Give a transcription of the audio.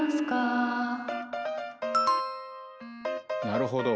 なるほど。